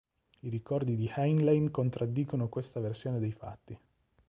I ricordi di Heinlein contraddicono questa versione dei fatti.